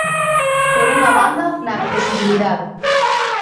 Por unha banda, na accesibilidade.